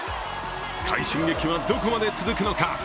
快進撃はどこまで続くのか。